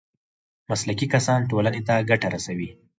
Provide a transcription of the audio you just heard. مسلکي کسان ټولنې ته ګټه رسوي